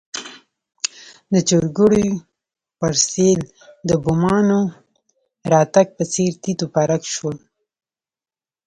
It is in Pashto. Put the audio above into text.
د چرګوړیو پر سېل د بومانو راتګ په څېر تیت و پرک شول.